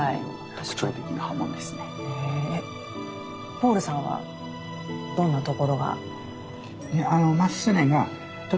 ポールさんはどんなところが？